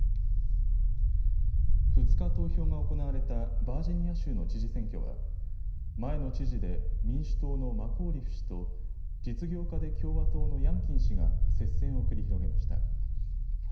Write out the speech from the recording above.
２日、投票が行われたバージニア州の知事選挙は前の知事で民主党のマコーリフ氏と実業家で共和党のヤンキン氏が接戦を繰り広げました。